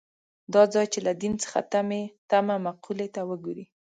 دا ځای چې له دین څخه تمه مقولې ته وګوري.